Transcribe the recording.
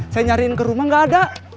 saya nyariin ke rumah gak ada